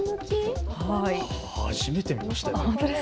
初めて見ましたね。